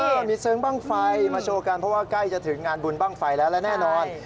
มันมีเซิงบ้างไฟมาโชว์กันเพราะว่าใกล้จะถึงงานบุญบ้างไฟแล้วและแน่นอน